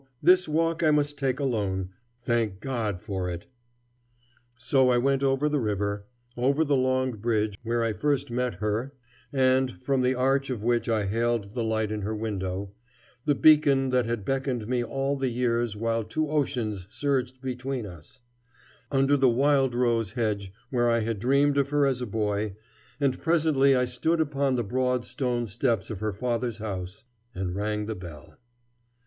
this walk I must take alone. Thank God for it." So I went over the river, over the Long Bridge where I first met Her, and from the arch of which I hailed the light in her window, the beacon that had beckoned me all the years while two oceans surged between us; under the wild rose hedge where I had dreamed of her as a boy, and presently I stood upon the broad stone steps of her father's house, and rang the bell.